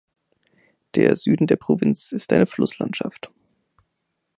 Der Süden der Provinz ist eine Flusslandschaft.